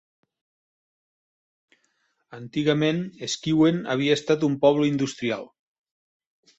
Antigament, Skewen havia estat un poble industrial.